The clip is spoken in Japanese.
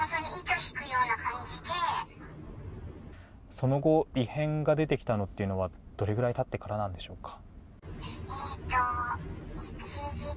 その後異変が出てきたのはどれぐらい経ってからなんでしょうか。